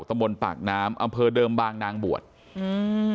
ตำบลปากน้ำอำเภอเดิมบางนางบวชอืม